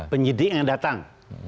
penyidik yang datang